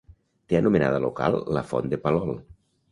Té anomenada local la font de Palol.